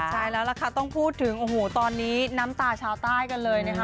ใช่แล้วล่ะค่ะต้องพูดถึงโอ้โหตอนนี้น้ำตาชาวใต้กันเลยนะคะ